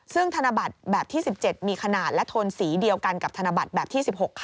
ซึ่งธนบัตรแบบที่๑๗มีขนาดและโทนสีเดียวกันกับธนบัตรแบบที่๑๖ค่ะ